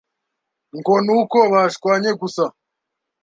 ngo n’uko bashwanye gusa